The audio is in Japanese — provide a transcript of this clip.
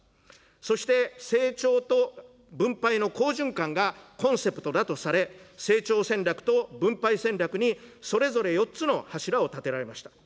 そして成長と分配の好循環がコンセプトだとされ、成長戦略と分配戦略に、それぞれ４つの柱を立てられました。